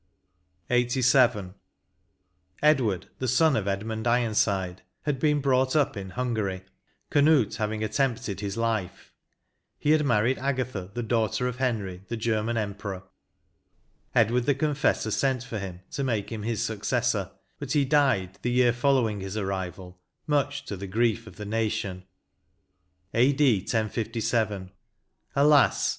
174 LXXXVIL Edward, the son of Edmund Ironside, had been brought up in Hungary, Canute haying attempted his life; he had married Agatha, the daughter of Henry, the German Emperor ; Edward the Confes sor sent for him, to make him his successor, but he died, the year following his arrival, much to the grief of the nation. " A.D. 1067. Alas